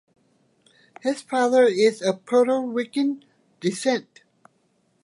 His father is of Puerto Rican descent.